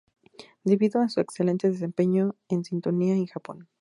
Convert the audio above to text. Debido a su excelente desempeño en sintonía en Japón.